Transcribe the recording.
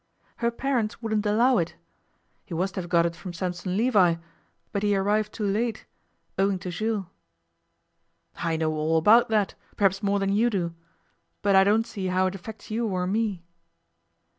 Her parents wouldn't allow it. He was to have got it from Sampson Levi, but he arrived too late owing to Jules.' 'I know all about that perhaps more than you do. But I don't see how it affects you or me.